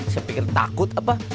saya pikir takut apa